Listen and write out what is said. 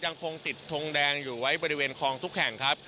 ยังคงติดทงแดงอยู่ไว้บริเวณคลองทุกแห่งครับ